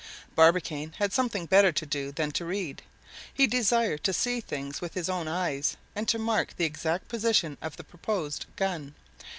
Barbicane had something better to do than to read. He desired to see things with his own eyes, and to mark the exact position of the proposed gun.